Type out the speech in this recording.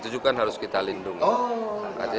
itu juga harus kita lindungi